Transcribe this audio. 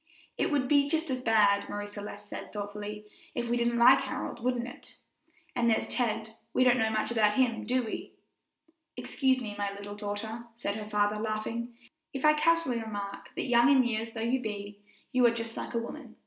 "It would be just as bad," Marie Celeste said thoughtfully, "if we didn't like Harold, wouldn't it? And there's Ted; we don't know much about him, do we?" "Excuse me, my little daughter," said her father, laughing, "if I casually remark that young in years though you be, you are just like a woman.